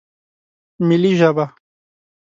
ملي ژبه